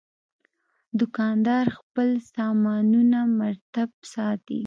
دوکاندار خپل سامانونه مرتب ساتي.